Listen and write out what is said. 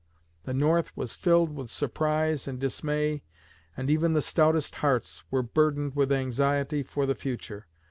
The North was filled with surprise and dismay, and even the stoutest hearts were burdened with anxiety for the future.